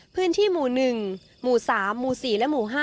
พื้นที่หมู่๑หมู่๓หมู่๔และหมู่๕